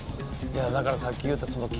だからさっき言うた。